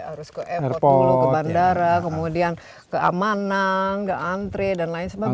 harus ke airport dulu ke bandara kemudian ke amanang ke antre dan lain sebagainya